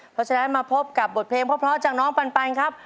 เราจะได้มาพบกับบทเพลงพร้อมจากน้องปันปันครับ